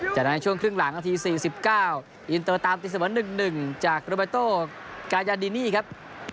จากนั้นช่วงครึ่งหลังนาที๔๙อินเตอร์ตามตีเสมอ๑๑จากโรเบโตกายาดินีครับ